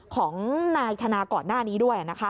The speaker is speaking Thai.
ของนายธนาก่อนหน้านี้ด้วยนะคะ